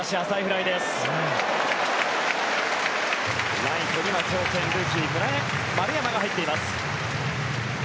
ライトには強肩ルーキー、丸山が入っています。